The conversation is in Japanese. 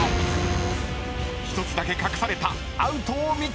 ［１つだけ隠されたアウトを見極めろ！］